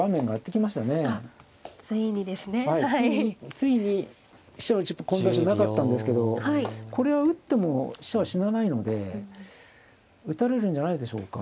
ついに飛車を打ち込む場所なかったんですけどこれは打っても飛車は死なないので打たれるんじゃないでしょうか。